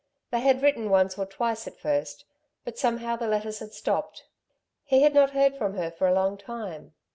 They had written once or twice at first, but somehow the letters had stopped. He had not heard from her for a long time.